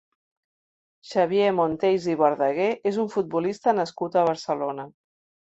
Xavier Monteys i Verdaguer és un futbolista nascut a Barcelona.